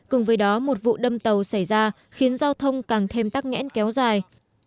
cùng với đó một vụ đâm tàu xảy ra khiến giao thông càng thêm tắc nghẽn kéo dài